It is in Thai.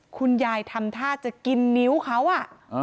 คุณยายทำท่าจะกินนิ้วเขาอ่ะ